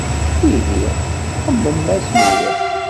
Ihi xemmem-as mliḥ.